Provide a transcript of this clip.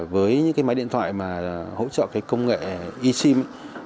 với máy điện thoại hỗ trợ công nghệ e sim